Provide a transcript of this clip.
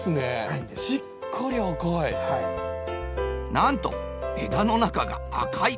なんと枝の中が赤い。